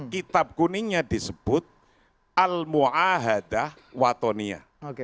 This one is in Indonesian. kitab kuningnya disebut al mu'ahadah watonia